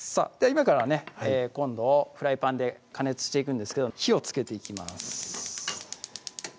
今からはね今度フライパンで加熱していくんですけど火をつけていきます